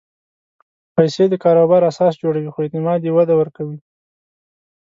پېسې د کاروبار اساس جوړوي، خو اعتماد یې وده ورکوي.